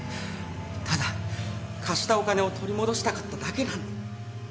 ただ貸したお金を取り戻したかっただけなんだ。